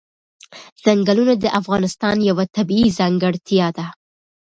ځنګلونه د افغانستان یوه طبیعي ځانګړتیا ده.